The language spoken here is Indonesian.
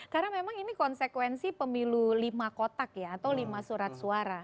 karena memang ini konsekuensi pemilu lima kotak ya atau lima surat suara